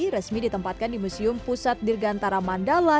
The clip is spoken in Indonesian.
resmi ditempatkan di museum pusat dirgantara mandala